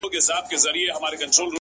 د ژوندون ساه او مسيحا وړي څوك،